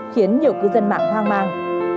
khiến nhiều cư dân mạng hoang mang